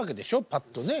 パッとね。